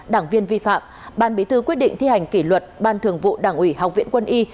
đảng viên vi phạm ban bí thư quyết định thi hành kỷ luật ban thường vụ đảng ủy học viện quân y